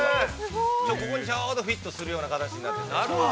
ここにちょうどフィットするような形になってます。